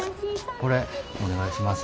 これお願いします。